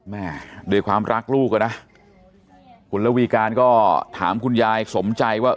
แม่ด้วยความรักลูกอ่ะนะคุณระวีการก็ถามคุณยายสมใจว่า